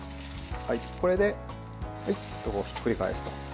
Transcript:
これで、ひっくり返すと。